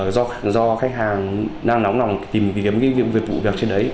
do khách hàng đang nóng nòng tìm kiếm việc vụ việc trên đấy